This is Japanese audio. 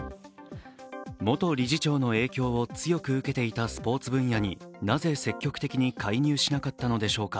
元理事長の影響を強く受けていたスポーツ分野になぜ、積極的に介入しなかったのでしょうか。